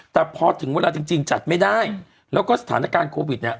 แต่พอถึงเวลาจริงจัดไม่ได้แล้วก็สถานการณ์โควิดเนี่ย